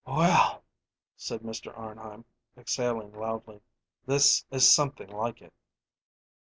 "Well," said Mr. Arnheim, exhaling loudly, "this is something like it."